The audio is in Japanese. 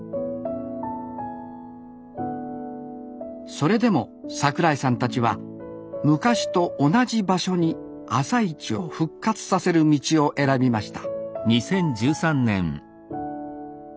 それでも櫻井さんたちは昔と同じ場所に朝市を復活させる道を選びました